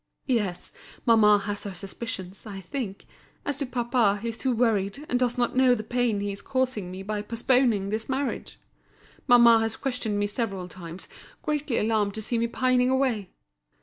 "Yes, mamma has her suspicions, I think. As to papa, he is too worried, and does not know the pain he is causing me by postponing this marriage. Mamma has questioned me several times, greatly alarmed to see me pining away.